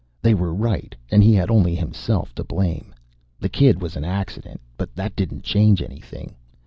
They were right, and he had only himself to blame. The kid was an accident, but that didn't change anything.